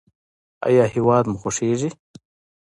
ایا هیواد مو خوښیږي؟